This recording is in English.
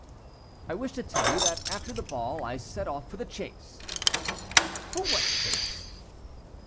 "I wish to tell you that after the ball I set off for the chase." "For what chase?"